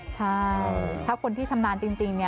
ใช่ถ้าคนที่ชำนาญจริงเนี่ยโอ้โฮสบายเลย